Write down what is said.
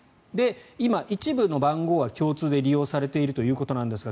今、一部の番号は共通で利用されているんですが